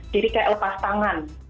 jadi kayak lepas tangan